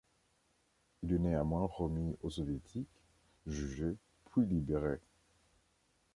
Il est néanmoins remis aux Soviétiques, jugé puis libéré.